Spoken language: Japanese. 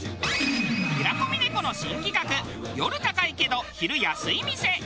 平子峰子の新企画夜高いけど昼安い店。